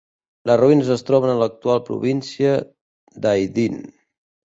Les ruïnes es troben a l'actual província d'Aydın.